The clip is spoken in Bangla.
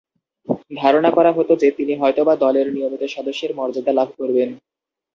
ধারণা করা হতো যে, তিনি হয়তোবা দলের নিয়মিত সদস্যের মর্যাদা লাভ করবেন।